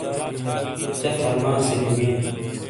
چہ تھرماسِینی وِی۔